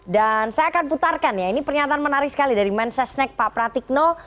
saya akan putarkan ya ini pernyataan menarik sekali dari mensesnek pak pratikno